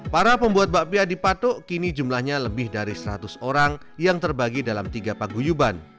para pembuat bakpia di patok kini jumlahnya lebih dari seratus orang yang terbagi dalam tiga paguyuban